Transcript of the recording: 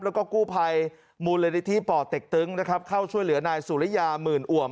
แล้วก็กู้ภัยมูลนิธิป่อเต็กตึงนะครับเข้าช่วยเหลือนายสุริยาหมื่นอ่วม